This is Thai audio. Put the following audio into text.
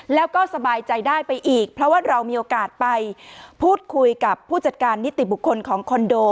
แล้วก็สบายใจได้ไปอีกเพราะว่าเรามีโอกาสไปพูดคุยกับผู้จัดการนิติบุคคลของคอนโด